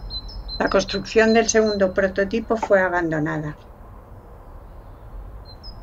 La construcción del segundo prototipo fue abandonada.